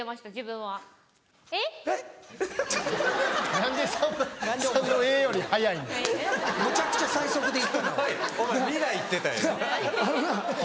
はい。